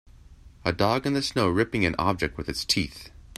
A dog in the snow ripping an object with its teeth